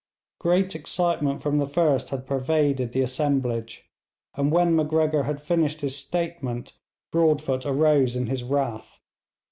Great excitement from the first had pervaded the assemblage, and when Macgregor had finished his statement Broadfoot arose in his wrath.